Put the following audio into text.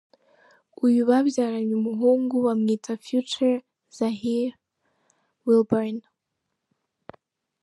Uyu babyaranye umuhungu bamwita Future Zahir Wilburn.